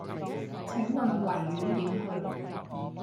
請問維園點去